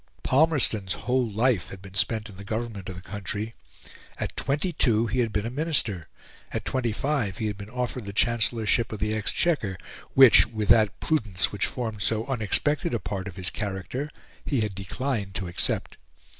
Palmerston's whole life had been spent in the government of the country. At twenty two he had been a Minister; at twenty five he had been offered the Chancellorship of the Exchequer, which, with that prudence which formed so unexpected a part of his character, he had declined to accept.